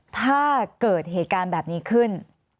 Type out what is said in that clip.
ถ้าเกิดเหตุการณ์แบบนี้ขึ้น